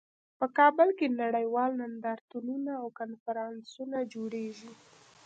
په کابل کې نړیوال نندارتونونه او کنفرانسونه جوړیږي